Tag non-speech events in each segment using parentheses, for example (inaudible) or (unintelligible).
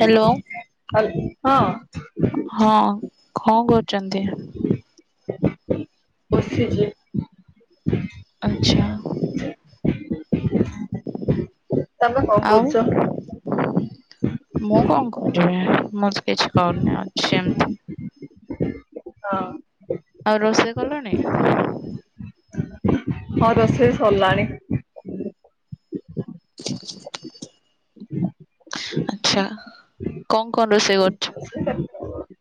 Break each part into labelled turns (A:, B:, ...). A: Hello
B: (inaudible) ହ
A: ହଁ କଣ କରୁଛନ୍ତି
B: ବସିଚି
A: ଆଚ୍ଛା
B: ତମେ କଣ
A: ଆଉ
B: କରୁଛ?
A: ମୁଁ କଣ କରିବି ମୁଁ ତ କିଛି କରୁନି ଅଛି ଏମତି।
B: ହଁ
A: ଆଉ ରୋଷେଇ କଲଣି
B: ହଁ ରୋଷେଇ ସରିଲାଣି।
A: (inaudible) ଆଛା କଣ କଣ ରୋଷେଇ କରଛ
B: (inaudible)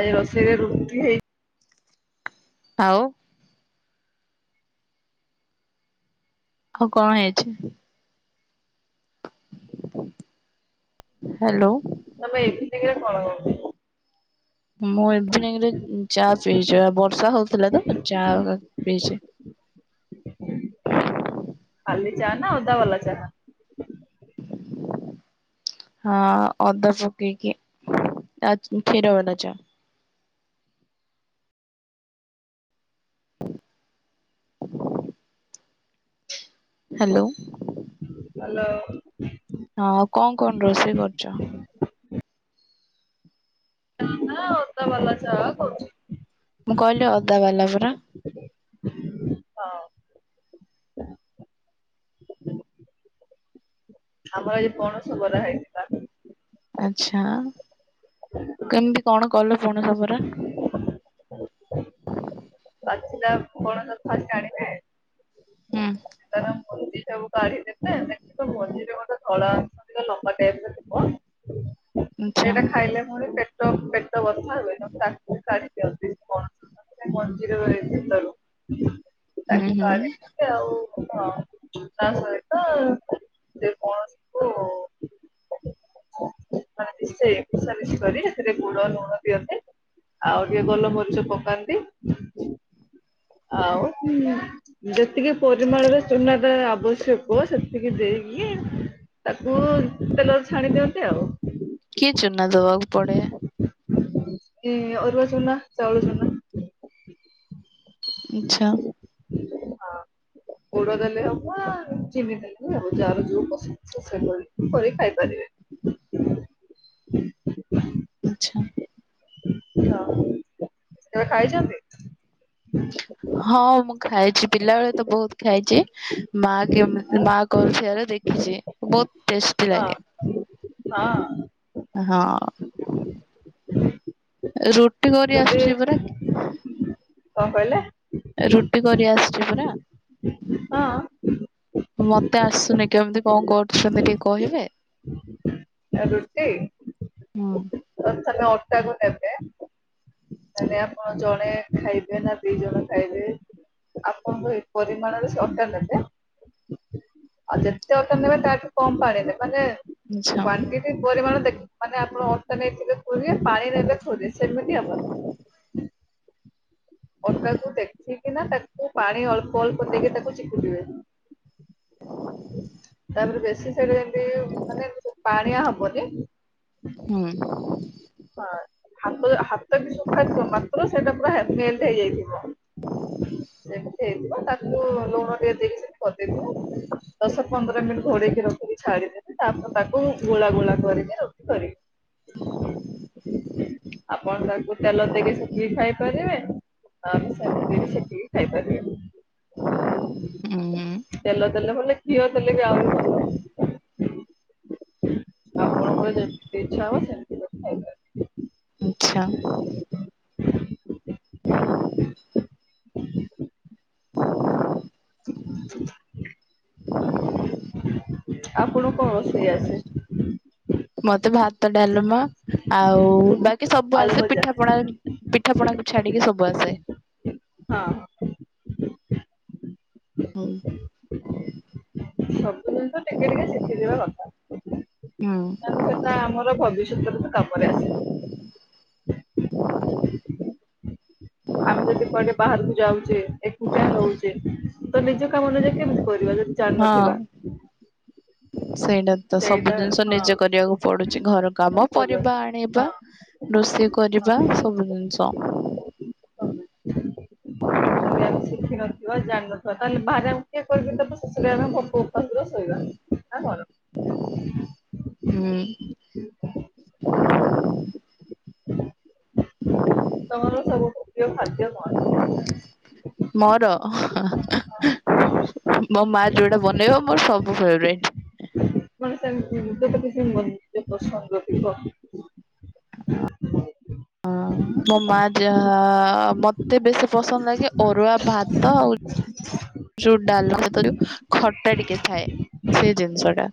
B: ଆଜି ରୋଷେଇ ରେ ରୁଟି ହେଇ
A: ଆଉ ଆଉ କଣ ହେଇଛି। ହାଲୋ
B: ତମେ ଏଥି ଯ କଣ କର
A: ମୁଁ ଇଭିନିଙ୍ଗିରେ ଚା ପିଇଛି ବର୍ଷା ହଉଥିଲା ତ ଚା ପିଇଛି।
B: ଖାଲି ଚା ନା ଅଦା ବାଲା ଚା
A: (unintelligible) ହଁ ଅଦା ପକେଇକି ଆ କ୍ଷୀର ବାଲା ଚା। ହାଲୋ।
B: ହାଲୋ।
A: ହଁ ଆଉ କଣ କଣ ରୋଷେଇ କରୁଚ?
B: (unintelligible)
A: ମୁଁ କହିଲି ଅଦା ବାଲା ପରା।
B: ହଁ (unintelligible) ଆମର ଏ ପଣସ ବରା ହେଇଥିଲା।
A: ଆଚ୍ଛା।
B: ହୁଁଁ।
A: କେମିତି କଣ କଲ ପଣସ ବରା?
B: ପଞ୍ଚିଲା ପଣସ ଫାଷ୍ଟ ଆଣିବେ।
A: ହୁଁ
B: ତାର ମଞ୍ଜି ସବୁ କାଢି ଦେବେ ଦେଖବ ମନ୍ଦିରରେ ମୋଟେ ଧଳା ଆସୁ ଗୋଟେ ଲମ୍ବା ଟାଇପିର ଥିବ
A: ଆଚ୍ଛା
B: ସେଇଟା ଖାଇଲେ ଫୁଣି ପେଟ ପେଟ ବଥା ହୁଏ ତ ତାକୁ କାଢିଦିଅନ୍ତି (unintelligible) ମଝିରେ ଭିତରୁ।
A: ହୁଁ
B: ତାକୁ
A: ହୁଁ
B: କାଢ଼ି ଆଉ ହଁ ତା ସହିତ କୌଣସି କ ମାନେସେ ମିଶା ମିଶି କରି ଏଥିରେ ଗୁଡ଼ ଲୁଣ ଦିଅନ୍ତି। ଆଉ ଟିକେ ଗୋଲମରିଚ ପକାନ୍ତି ଆଉ ହୁଁ ଯେତିକି ପରିମାଣରେ ଚୁନା ଟା ଆବଶ୍ୟକ ସେତିକି ଦେଇକି ତାକୁ ତେଲରେ ଛାଣି ଦିଅନ୍ତି ଆଉ।
A: କି ଚୁନା ଦେବାକୁ ପଡେ?
B: କେ ଅରୁଆ ଚୂନ ଚାଉଳ ଚୂନା।
A: ଇଛା।
B: ହଁ।
A: (unintelligible)
B: ଗୋଡ ଦେଲେ ହବ ଚିନି ଦେଲି ହବ ଯାହାର ଯୋଉ ପସନ୍ଦ ଅ ସେଭଳି କରି ଖାଇପାରିବେ। (inaudible)
A: ଆଚ୍ଛା।
B: (unintelligible) ଖାଇଛନ୍ତି?
A: ହଁ ମୁଁ ଖାଇଛି। ପିଲାବେଳେ ତ ବହୁତ ଖାଇଛି। ମା କେ ମା କରୁଥିବା ର ଦେଖିଛି ବହୁତ ଟେଷ୍ଟି
B: ହଁ
A: ଲାଗେ।
B: ହଁ।
A: ହଁ ରୁଟି କରି
B: ଯଦି
A: ଆସୁଛି ପରା।
B: କଣ କହିଲେ?
A: ରୁଟି କରି ଆସିଛି ପରା
B: ହଁ
A: ମତେ ଆସୁନି। କେମିତି କଣ କରୁଛନ୍ତି ଟିକେ କହିବେ?
B: ହଁ (inaudible) ଆଉ ରୁଟି।
A: ହଁ।
B: ପ୍ରଥମେ ଅଟାକୁ ନେବେ। ମାନେ ଆପଣ ଜଣେ ଖାଇବେ ନା ଦି ଜଣ ଖାଇବେ। ଆପଣଙ୍କ ଏ ପରିମାଣରେ ସେ ଅଟା ନବେ ଆଉ ଯେ ଯେତେ ଅଟା ନେବେ ତାଠୁ କମ ପାଣି ନେବେ ମାନେ
A: ଆଚ୍ଛା।
B: କ୍ଵଟି ପରିମାଣ ଦେଖ ମାନେ ଆପଣ ଅଟା ନେଇଥିଲେ ପାଣି ନେଲେ ଥେ ସେମିତି ଆମର। ଅଟାକୁ ଦେଖିକି ନା ତାକୁ ପାଣି ଅଳ୍ପ ଅଳ୍ପ ଦେଇକି ତାକୁ ଚକୁଟିବେ। ତାରେ ବେଶୀ ସେଇରି ଏମତି, ମାନେ ଏମିତି ପାଣିଆ ହବନି
A: ହୁଁ
B: (unintelligible) ହଁ, ହାତ ହା ହାତବି ସଫା ଥିବ, ମାତ୍ର ସେଇଟା ପୁରା ମେଲ୍ଟ ହେଇ ଯାଇଥିବ, ସେମିତି ହେଇଥିବ, ତାକ୍ ତାକୁ ଲୁଣ ଟିକେ ଦେଇକି ସେମିତି କରି ଦେଇଥିବା, ଦଶ ପନ୍ଦର ମିନିଟ୍ ଘୋଡେଇକି ରଖିକି ଛାଡିଦି ତାପରେ ତାକୁ ଗୋଳା ଗୋଳା କରିକି ରୋଟି କରିବି। ଆପଣ ତାକୁ ତେଲ ଦେଇକି ସେକିକି ଖାଇପାରିବେ। ଆଉ ସେମିତି ବି ସେକିକି ଖାଇ ପାରିବେ।
A: ହୁଁ
B: ତେଲ ଦେଲେ ଭଲ, ଘିଅ ଦେଲେ ବି ଆହୁରି ଭଲ। ଆପଣଙ୍କର ଯେମିତି ଇଛା ହେବ ସେମିତି କରି ଖାଇପାରିବେ।
A: ଆଛା।
B: (unintelligible) (unintelligible) ଆପଣଙ୍କୁ କଣ ରୋଷଇ ଆସେ?
A: ମତେ ଭାତ ଡାଲମା ଆଉ ବାକି ସବୁ
B: ଆଳୁ
A: ଆସେ
B: ଭଜା
A: ପିଠା ପଣା ପିଠା ପଣାକୁ ଛାଡିକି ସବୁ ଆସେ।
B: ହଁ।
A: ହୁଁ।
B: ସବୁ ଜିନିଷ ଟିକେ ଟିକେ ଶିଖିଯିବା କଥା,
A: ହୁଁ
B: କାଇଁନା ସେଟା ଆମର ଭବିଷ୍ୟତ। (unintelligible) କାମରେ ଆସିବ। ଆମେ ଯଦି କୁଆଡେ ବାହାରକୁ ଯାଉଚେ, ଏକୁଟିଆ ରହୁଚେ ତ ନିଜ କାମ ନିଜେ କେମିତି କରିବା, ଯଦି
A: ହଁ
B: ଜାଣିନଥିବା?
A: (unintelligible) ସେଇଟା ତ ସବୁ
B: ସେଇଟା
A: ଜିନିଷ
B: ହଁ
A: ନିଜେ କରିବାକୁ ପଡୁଚି, ଘର କାମ,
B: କରିବା
A: ପରିବା
B: ହଁ
A: ଆଣିବା। ରୋଷେଇ କରିବା
B: ହଁ।
A: ସବୁ ଜିନିଷ।
B: ଯଦି ଆମେ ଶିଖିନଥିବା, ଜାଣିନଥି ତାହେଲେ ବାହାରେ ଆମକୁ କିଏ କରିକି ଦେବ, ଶେଷରେ ଆମେ ଭୋକ ଉପାସ ଶୋଇବା ନା କଣ?
A: (unintelligible) ହୁଁ।
B: ତମର ସବୁଠୁ ପ୍ରିୟ ଖାଦ୍ୟ
A: (unintelligible)
B: କଣ?
A: ମୋର ମୋ ମା ଯୋଉଟା ବନେଇବ, ମୋର ସବୁ ଫେବ୍ରେଟ୍।
B: ମାନେ ସେମିତି ନିଜ କିଛି ନିଜ ପସନ୍ଦ ଥିବ?
A: ହଁ। ହଁ। ମୋ ମା ଯାହା, ମୋତେ ବେଶୀ ପସନ୍ଦ ଲାଗେ ଅରୁଆ ଭାତ ଆଉ
B: (unintelligible)
A: ଯୋଉ ଡାଲ୍ ମା ଭାତ ରେ ଖଟା ଟିକେ ଥାଏ, ସେ ଜିନିଷ ଟା।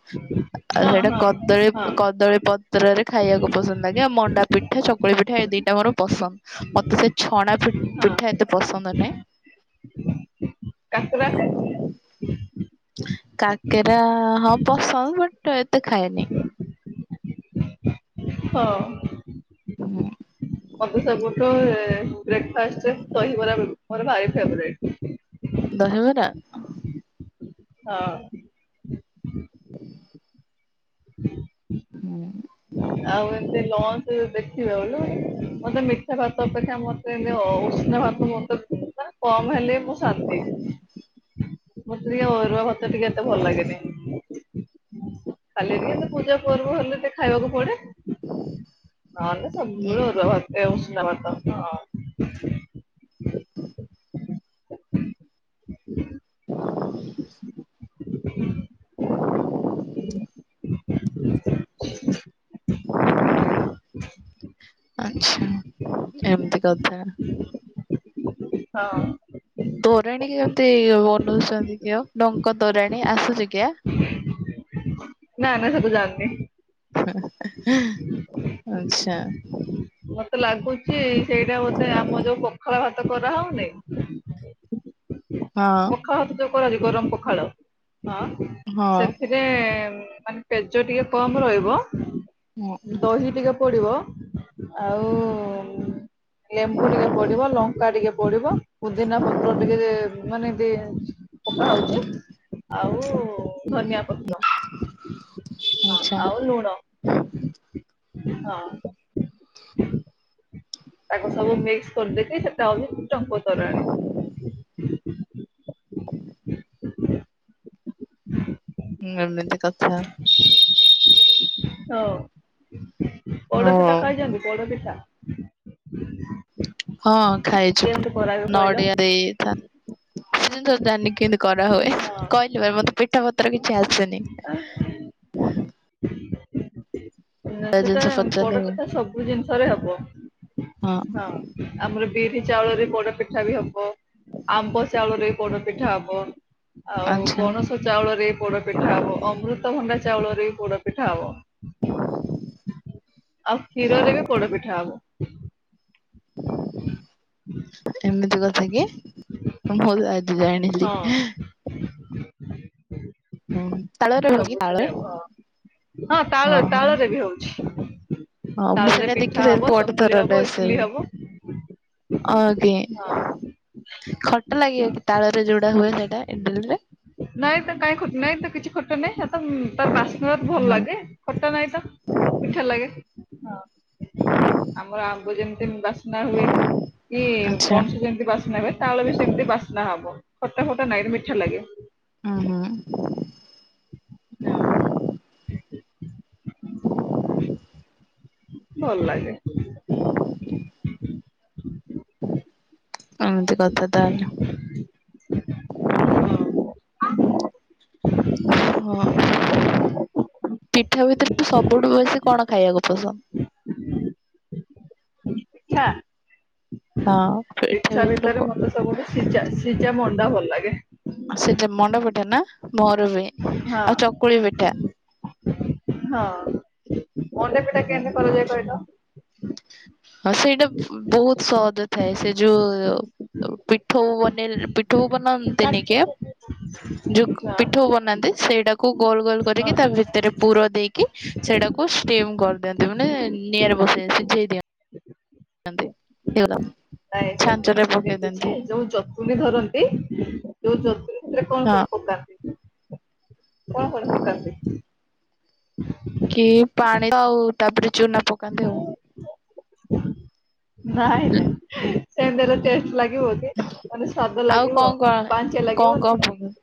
A: ଆଉ
B: ହଁ
A: ସେଇଟା
B: ହଁ
A: କଦଳୀ,
B: ହଁ
A: କଦଳୀ ପତ୍ରରେ ଖାଇବାକୁ ପସନ୍ଦ ଲାଗେ, ଆଉ ମଣ୍ଡାପି ପିଠା, ଚକୁଳି ପିଠା, ଏ ଦିଟା ମୋର ପସନ୍ଦ, ମତେ ସେ ଛଣା
B: ହଁ
A: ପିଠା ଏତେ ପସନ୍ଦ ନାହିଁ।
B: କାକରା?
A: କାକେରା ହଁ ପସନ୍ଦ୍, ବଟ୍ ଏତେ ଖାଏନି।
B: ହଁ।
A: ହୁଁ।
B: ମୋତେ ସବୁଠୁ ବ୍ରେକ୍ ଫାଷ୍ଟ ରେ ଦହିିବରା ମୋର ଭାରି ଫେବ୍ରେଟ୍।
A: ଦହିବରା?
B: ହଁ।
A: ହୁଁ
B: ଆଉ ଏମତି, ଲଞ୍ଚ ଦେଖିବେ ବୋଲେ, ମତେ ମିଠା ଭାତ ଅପେକ୍ଷା ମ ନାଇ ଅ ଉଷୁନା ଭାତ ମୋତେ, ମାନେ କମ ହେଲେ ବି ମୁଁ ଶାନ୍ତି। ମତେ ଟିକେ ଅରୁଆ ଭାତ ଟିକେ ଏତେ ଭଲ ଲାଗେନି। (inaudible) ଖାଲି ଟିକେ, ଏମିତି ପୂଜା ପର୍ବ ହେଲେ ଟିକେ ଖାଇବାକୁ ପଡେ। (inaudible) ନହେଲେ
A: ହୁଁ
B: ସବୁବେଳେ ଅରୁଆ ଭାତ ଏ ଉଷୁନା ଭାତ ହଁ।
A: (inaudible)
B: (unintelligible) (inaudible) (unintelligible)
A: (inaudible)
B: (inaudible)
A: (inaudible) (unintelligible) (inaudible) ଆଚ୍ଛା, ଏମିତି କଥା।
B: ହଁ।
A: ତୋରାଣୀ କେମତି ବନଉଚନ୍ତି କିଅ, ଡଙ୍କ ତୋରାଣୀ, ଆସୁଛି କିଆ?
B: (unintelligible) ନା ନା ସେତ ଜାଣନି।
A: (unintelligible) (inaudible) ଆଚ୍ଛା।
B: ମତେ ଲାଗୁଚି, ସେଇଟା ବୋଧେ ଆମ ଯୋଉ ପଖାଳ ଭାତ କରାହଉନି।
A: ହଁ
B: ପଖାଳ ଭାତ ଯୋଉ କରାଉଚି, ଗରମ ପଖାଳ ହଁ,
A: ହଁ
B: ସେଥିରେ ମାନେ। ପେଜ ଟିକେ କମ୍ ରହିବ।
A: ହଁ
B: (inaudible) ଦହି ଟିକେ ପଡିବ, ଆଉ ଲେମ୍ବୁ ଟିକେ ପଡିବ, ଲଙ୍କା ଟିକେ ପଡିବ, ପୁଦିନା ପତ୍ର ଟିକେ- ମାନେ, ଦେ। ପକା ହଉଚି, ଆଉ ଧନିଆ ପତ୍ର।
A: (inaudible)
B: ହଁ
A: ଆଚ୍ଛା
B: ଆଉ ଲୁଣ (inaudible) ହଁ। ତାକୁ ସବୁ ମିକ୍ସ କରି ଦେଇକି, ସେଟା ହୋଇଛି ଟଙ୍କ ତରାଣି।
A: (inaudible) ହୁଁ, ଏମିତି କଥା।
B: (unintelligible) ହଉ। (inaudible) ପୋଡ
A: ହଉ
B: ପିଠା ଖାଇଚନ୍ତି, ପୋଡ଼ ପିଠା। (inaudible)
A: ହଁ ଖାଇଛି
B: କେମିତି
A: ପୁରା,
B: କରାହୁଏ କହିଲ?
A: ନଡିଆ ରେ ତା (unintelligible) ଜାଣିନି କେମିତି କରା ହୁଏ,
B: ହଁ
A: କହିଲି ବା, ମତେ ପିଠା ପତ୍ର କିଛି ଆସେନି। (inaudible)
B: (inaudible) ନାଇଁ,
A: ତା
B: ସେଟା
A: ଜିନିଷ ପଚାରିଲେ
B: ପୋଡପଠା ସବୁ ଜିନିଷରେ ହବ
A: ହଁ
B: (inaudible) ହଁ। ଆମର ବିରି ଚାଉଳରେ ପୋଡ ପିଠା ବି ହବ, ଆମ୍ବ ଚାଉଳରେ ପୋଡ ପିଠା ହବ। ଆଉ
A: ଆଚ୍ଛା
B: ପଣସ ଚାଉଳରେ ପୋଡପିଠା ହବ, ଅମୃତଭଣ୍ଡା ଚାଉଳରେ ବି ପୋଡପିଠା ହବ। (inaudible) ଆଉ କ୍ଷୀରରେ ବି ପୋଡ ପିଠା ହବ।
A: (inaudible) ଏମିତି କଥା କି (inaudible) ମୁଁ ଆଜି ଜାଣିିଲି।
B: ହଁ (inaudible)
A: ହୁଁ, ତାଳରେ।
B: ସବୁଥିରେ ହବ
A: (unintelligible)
B: ହଁ। ହଁ, ତାଳରେ ତାଳରେ ବି ହଉଚି।
A: ହ, ମୁଁ ସେଟା ଦେଖି ଦେବି ପଟେ ତରଟା ଆସା
B: ଇଟିଲି
A: ହୁଏ।
B: ହବ
A: (inaudible) ଅକେ
B: ହଁ।
A: (inaudible) ଖଟା ଲାଗିବ କି ତାଳରେ, ଯୋଉଟା ହୁଏ ସେଇଟା ଇଣ୍ଡିଲରେ।
B: ନାଇଁ ତ, କାଇଁ ନାଇଁ ତ କିଛି ଖଟେ ନାଇଁ, ସେ ତ ବାସ୍ନା ଭଲ
A: ହଁ।
B: ଲାଗେ। ଖଟା ନାଇଁ ତ ମିଠା ଲାଗେ ହଁ ଆମର ଆମ୍ବୁ ଯେମିତି ବନା ହୁଏ କି
A: ଆଚ୍ଛା
B: ପଣସ ଯେମିତି ବାସ୍ନା ହୁଏ। ତାଳ ବି ସେମିତି ବାସ୍ନା ହବ ଖଟା ଖଟା ନାହିଁ ମିଠା ଲାଗେ।
A: ହୁଁ ହୁଁ।
B: ନା। ଭଲ ଲାଗେ।
A: ଏମିତି କଥା ତାହେଲେ।
B: ହଁ।
A: ହଁ ପିଠା ଭିତରେ ସବୁଠୁ ବେଶୀ କଣ ଖାଇବାକୁ ପସନ୍ଦ?
B: ପିଠା?
A: ହଁ ପୀଠା ଭିତରୁ କଣ?
B: ତମକୁ ସିଜା ସିଜା ମଣ୍ଡା ଭଲ ଲାଗେ?
A: ସେ ମଣ୍ଡ ପିଠା ନା ମୋର ବି
B: ହଁ।
A: ଆଉ ଚକୁଳି ପିଠା।
B: ହଁ। ମଣ୍ଡା ପିଠା
A: ହୁଁ।
B: କେମିତି କରାଯାଏ
A: ହଁ ସେଇଟା ବହୁତ ସହଜ ଥାଏ ସେ ଯୋଉ ପିଠୋଉ ବନ ପିଠଉ ବନନ୍ତିନିକି
B: କହିଲ? ହଁ
A: ଯୋଉ ପିଠୋଉ
B: ହଁ
A: ବନାନ୍ତି ସେଇଟାକୁ ଗୋଲ ଗୋଲ କରିକି ତା
B: ନାଇଁ
A: ଭିତରେ ପୁର ଦେଇକି ସେଇଟାକୁ ଷ୍ଟିମ କରିଦିଅନ୍ତି ମାନେ ନିଆଁରେ ବସେଇ ସିଝେଇ ଦିଅନ୍ତି। (unintelligible)
B: ନାଇଁ ସେ
A: ଛାଞ୍ଚରେ ପକେଇ
B: ସେମିତି
A: ଦିଅନ୍ତି
B: ଯେ ଯୋଉ ଯତୁ ବି ଧରନ୍ତି ଯୋଉ ଯତୁ ଏଥିରେ କଣ
A: ହଁ
B: କଣ ପକାନ୍ତି କଣ କଣ ପକାନ୍ତି?
A: କି ପାଣି ଆଉ ତାପରେ ଚୁନା ପକାନ୍ତି ଆଉ
B: (unintelligible) ନାଇଁ ନାଇଁ ସେନ୍ତି ହେଲେ ଟେଷ୍ଟ ଲାଗିବ କି? ମାନେ ସ୍ଵାଦ
A: ଆଉ
B: ଲାଗିବ
A: କଣ
B: ପାଣିଚିଆ
A: କଣ
B: ଲାଗିବନି।
A: କଣ କଣ ପ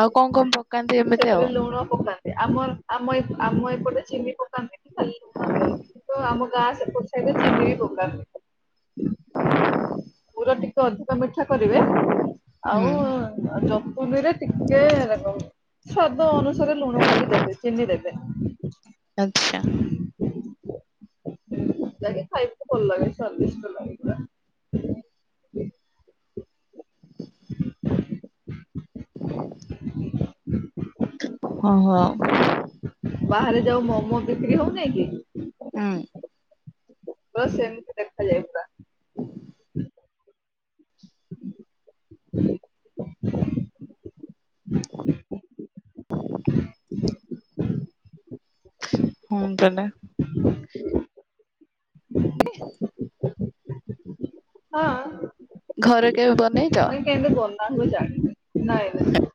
A: ଆଉ କଣ କଣ ପ
B: ସେଥିରେ ଲୁଣ ପକାନ୍ତି ଆମ ଆମ ଆମ ଏପଟେ ଚିନି ପକାନ୍ତି। ଖାଲି ଲୁନ ଦିଅନ୍ତି କି ତ ଆମ ଗାଁ ସେପଟ ସାଇଟ୍ ଚିନି ବି ପୋକନି। ପୁର ଟିକେ ଅଧିକ ମିଠା କରିବେ
A: ହୁଁ
B: ଆଉ ଆଉ ଜପନୀରେ ଟିକେ ହେଲା ସ୍ଵାଦ ଅନୁସାରେ ଲୁଣ ଖାଲି ଦେବେ ଚିନି ଦେବେନି।
A: ଆଚ୍ଛା।
B: ଯେ ଖାଇ ତେ ଭଲ ଲାଗେ ସ୍ଵଦିଷ୍ଟ ଲାଗେ।
A: ଓହୋ।
B: ବାହାରେ ଯାଉ ମୋମୋ ବିକ୍ରୀ ହଉ ନାଇଁ କି?
A: ହୁଁ
B: ବସ୍ ଏମିତି ଦେଖାଯାଏ। ପୁରା
A: ହୁଁ ତାଲେ
B: ହଁ।
A: ଘର କେବେ ବନେଇଛ?
B: କେନ୍ତି ବନା ହୁଏ ଜାଣିନି ନାଇଁ ନାଇଁ।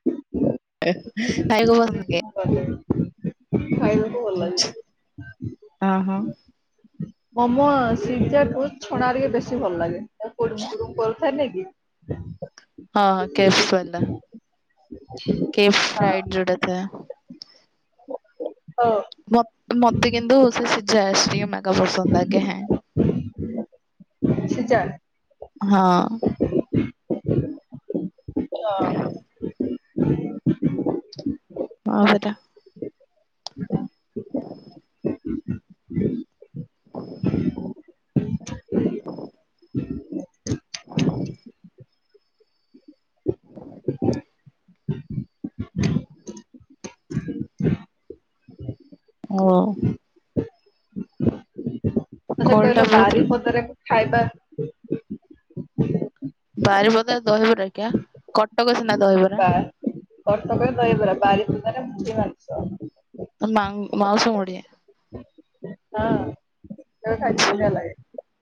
A: (unintelligible)
B: ବନେଇବି। ଖାଇ। (unintelligible)
A: ଆ ହଁ।
B: ମୋମୋ ସିଜାଠୁ ଛଣା ଟିକେ ବେଶୀ ଭଲ ଲାଗେ କୁଡ଼ୁମ କୁଡୁମ କରୁଥାଏ ନାଇଁ କି? ଫାଙ୍କା ଅଡିଓ।
A: ହଁ ହ କେଏଫ୍ସ ବାଲା।
B: (inaudible)
A: କେଏଫ୍ସ
B: ହଁ
A: ଫ୍ରାଇଡ଼୍ ଜଉଟା ଥା (unintelligible)
B: ହଁ।
A: ମତ ମତେ କିନ୍ତୁ ସେ ସିଝା ଷ୍ଟିମ ଆକା ପସନ୍ଦ ଲାଗେ ହେଁ।
B: ଖାଲି ସିଜା?
A: ହଁ।
B: (unintelligible)
A: ହଁ ସେଟା। ଫାଙ୍କା ଅଡିଓ। ଫାଙ୍କା ଅଡିଓ। ଫାଙ୍କା ଅଡ଼ିଓ। ହଁ।
B: ମତେ
A: କଲଟା
B: କହିଲ ବାରି
A: ବହୁତ
B: ପଦାରେକୁ ଖାଇବା
A: ବାରିିପଦାରେ ଦହିବରା କିଆ କଟକ ସିନା ଦହିବରା
B: ବା କଟକରେ ଦହିବରା ବାରିପଦାରେ ମୁଢି ମାଂସ।
A: ମାଉ ମାଉସ ମୁଡ଼ିା
B: ହଁ ତା ଖାଇଲେ ବଢିଆ ଲାଗେ।